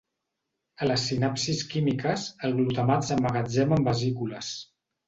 A les sinapsis químiques, el glutamat s'emmagatzema en vesícules.